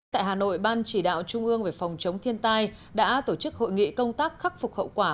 tại hà nội ban chỉ đạo trung ương về phòng chống thiên tai đã tổ chức hội nghị công tác khắc phục hậu quả